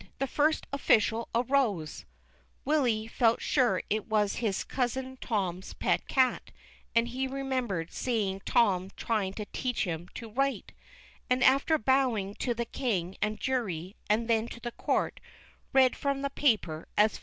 This First Official arose (Willy felt sure it was his cousin Tom's pet cat, and he remembered seeing Tom try to teach him to write), and after bowing to the King and jury and then to the court, read from the paper as follows : On C n •* V fe'